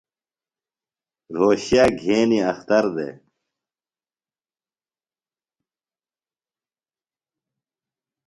رھوشے گھینیۡ اختر دےۡ۔